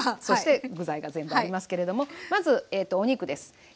そして具材が全部ありますけれどもまずお肉です。